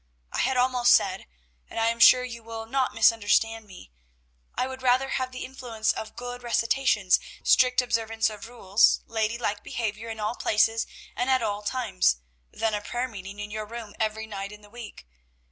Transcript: I had almost said, and I am sure you will not misunderstand me, I would rather have the influence of good recitations, strict observance of rules, lady like behavior in all places and at all times, than a prayer meeting in your room every night in the week.